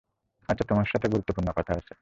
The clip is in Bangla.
আচ্ছা, তোমার সাথে গুরুত্বপূর্ণ কথা আছে।